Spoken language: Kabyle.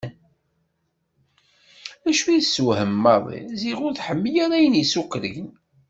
Acu i y-isswehmen maḍi, ziɣ ur tḥemmel ara ayen isukṛin.